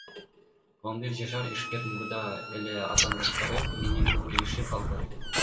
Он бир жашар ишкер мурда эле атаандаштары менен келишип алган.